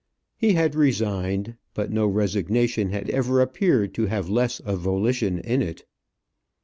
He had resigned; but no resignation had ever appeared to have less of volition in it.